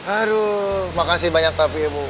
aduh makasih banyak tapi ibu